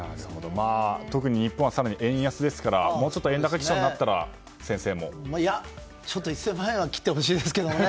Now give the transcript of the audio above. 特に日本は円安ですからもう少し円高基調になったらちょっと１０００万円は切ってほしいですけどね。